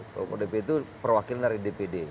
kelompok dp itu perwakilan dari dpd